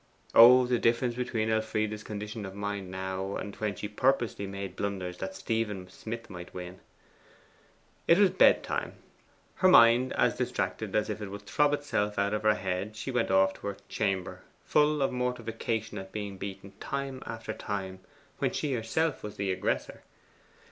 Oh, the difference between Elfride's condition of mind now, and when she purposely made blunders that Stephen Smith might win! It was bedtime. Her mind as distracted as if it would throb itself out of her head, she went off to her chamber, full of mortification at being beaten time after time when she herself was the aggressor.